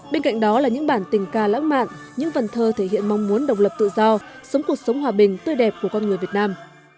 bên cạnh đó là những bản tình ca lãng mạn những vần thơ thể hiện mong muốn độc lập tự do sống cuộc sống hòa bình tươi đẹp của con người việt nam